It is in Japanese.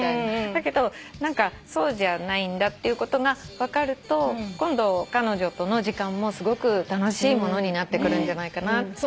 だけどそうじゃないんだっていうことが分かると今度彼女との時間もすごく楽しいものになってくるんじゃないかなって。